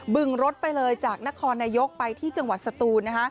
ึงรถไปเลยจากนครนายกไปที่จังหวัดสตูน